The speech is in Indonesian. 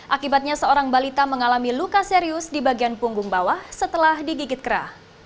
akibatnya seorang balita mengalami luka serius di bagian punggung bawah setelah digigit kera